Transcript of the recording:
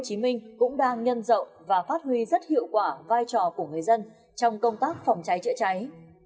hồ chí minh cũng đang nhân rộng và phát huy rất hiệu quả vai trò của người dân trong công tác phòng cháy chữa cháy